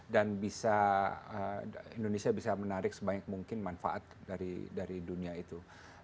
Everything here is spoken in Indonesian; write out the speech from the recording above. bisa indonesia bisa menarik sebanyak mungkin manfaat dari dunia itu